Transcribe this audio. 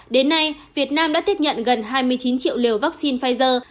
đến nay việt nam đã tiếp nhận gần hai mươi chín triệu liều vaccine pfizer